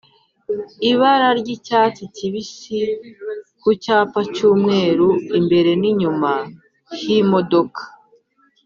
ibara ry’icyatsi kibisi ku cyapa cy’umweru imbere n’inyuma h’imodoka